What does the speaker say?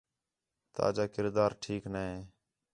تاجا کردار ٹھیک نے